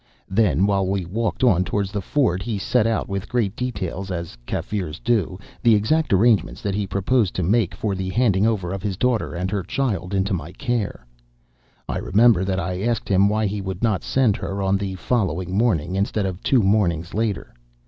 "Then, while we walked on towards the ford, he set out with great detail, as Kaffirs do, the exact arrangements that he proposed to make for the handing over of his daughter and her child into my care. I remember that I asked him why he would not send her on the following morning, instead of two mornings later.